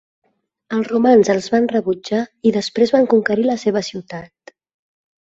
Els romans els van rebutjar i després van conquerir la seva ciutat.